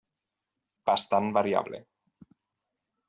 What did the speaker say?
Bastant variable.